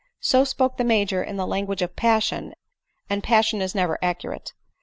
So spoke the Major in the language of passion— and passion is never accurate.